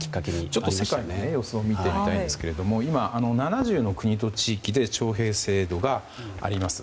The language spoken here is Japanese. ちょっと世界の様子を見てみたいんですけれども今、７０の国と地域で徴兵制度があります。